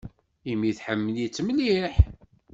Imi tḥemmel-itt mliḥ.